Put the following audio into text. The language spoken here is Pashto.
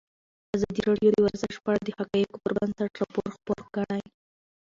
ازادي راډیو د ورزش په اړه د حقایقو پر بنسټ راپور خپور کړی.